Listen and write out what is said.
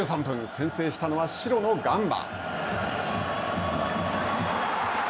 先制したのは白のガンバ。